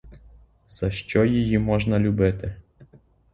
За що її можна любити?